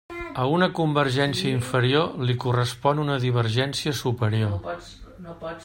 A una convergència inferior li correspon una divergència superior.